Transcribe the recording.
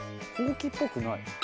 ほうきっぽくない。